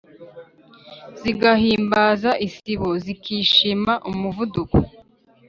zigahimbaza isibo: zikishima umuvuduko